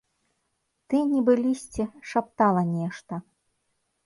Ты, нібы лісце, шаптала нешта.